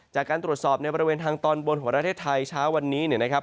จากการตรวจสอบในบริเวณทางตอนบนของประเทศไทยเช้าวันนี้เนี่ยนะครับ